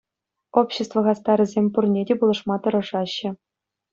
Общество хастарӗсем пурне те пулӑшма тӑрӑшаҫҫӗ.